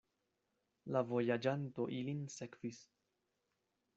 La vojaĝanto ilin sekvis.